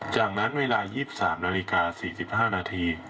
จากนั้นเวลา๒๓นาฬิกา๔๕นาที